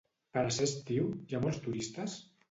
Per a ser estiu... hi ha molts turistes?